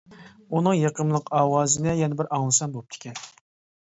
ئۇنىڭ يېقىملىق ئاۋازىنى يەنە بىر ئاڭلىسام بوپتىكەن.